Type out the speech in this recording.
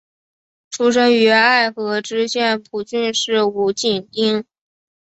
出身于爱知县蒲郡市五井町。